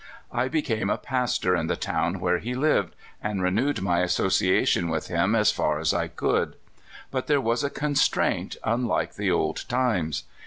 I became a pastor in the town where he lived, and THE REBLOOMING. 67 renewed my association with him as far as I could. But there was a constraint unlike the old times.